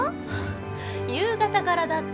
夕方からだって。